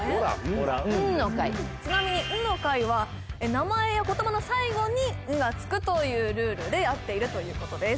ホランですからちなみに「んの会」は名前や言葉の最後に「ん」が付くというルールでやっているということです